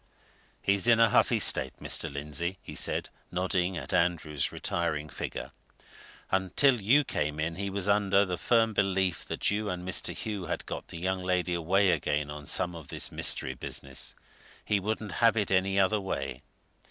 "He's in a huffy state, Mr. Lindsey," he said, nodding at Andrew's retreating figure. "Until you came in, he was under the firm belief that you and Mr. Hugh had got the young lady away again on some of this mystery business he wouldn't have it any other way.